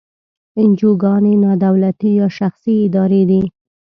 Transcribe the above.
انجوګانې نا دولتي یا شخصي ادارې دي.